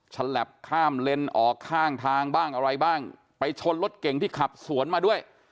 ฉลับข้ามเลนออกข้างทางบ้างอะไรบ้างไปชนรถเก่งที่ขับสวนมาด้วย